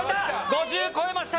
５０超えました。